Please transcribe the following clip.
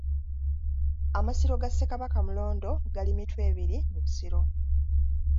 Amasiro ga Ssekabaka Mulondo gali Mitwebiri mu Busiro.